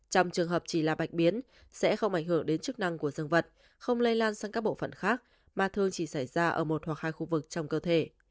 trong trường hợp chỉ là bạch biến sẽ không ảnh hưởng đến chức năng của dân vật không lây lan sang các bộ phận khác mà thường chỉ xảy ra ở một hoặc hai khu vực trong cơ thể